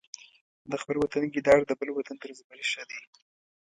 د خپل وطن ګیدړ د بل وطن تر زمري ښه دی.